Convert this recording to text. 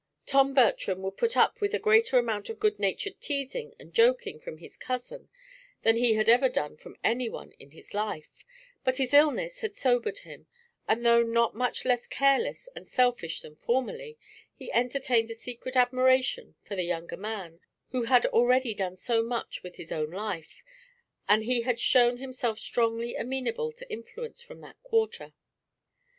Tom Bertram would put up with a greater amount of good natured teasing and joking from his cousin than he had ever done from anyone in his life; but his illness had sobered him, and though not much less careless and selfish than formerly, he entertained a secret admiration for the younger man, who had already done so much with his own life, and he had shown himself strongly amenable to influence from that quarter.